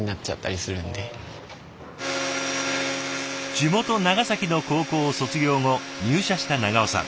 地元長崎の高校を卒業後入社した長尾さん。